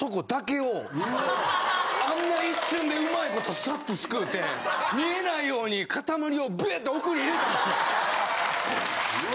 あんな一瞬でうまいことさっとすくうて見えないように塊をブエッて奥に入れたんですよ。